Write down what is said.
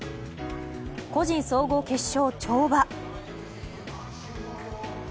個人総合決勝、跳馬。